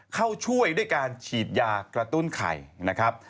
เข้าช่วยด้วยการฉีดยากระตุ้นไข่นะครับ